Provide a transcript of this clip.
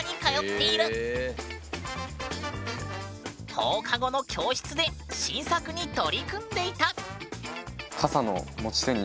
放課後の教室で新作に取り組んでいた。